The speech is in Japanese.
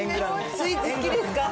スイーツ好きですか？